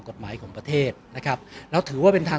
ก็ต้องทำอย่างที่บอกว่าช่องคุณวิชากำลังทำอยู่นั่นนะครับ